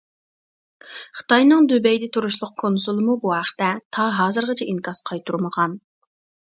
خىتاينىڭ دۇبەيدە تۇرۇشلۇق كونسۇلىمۇ بۇ ھەقتە تا ھازىرغىچە ئىنكاس قايتۇرمىغان.